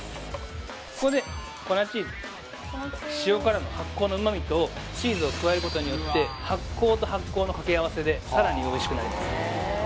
ここで粉チーズ塩辛の発酵のうま味とチーズを加えることによって発酵と発酵の掛け合わせでさらにおいしくなります